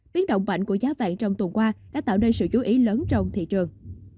biến động mạnh của giá vàng trong tuần qua đã tạo nên sự chú ý lớn trong thị trường